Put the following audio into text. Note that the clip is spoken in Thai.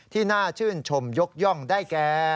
ที่น่าชื่นชมยกย่องได้แก่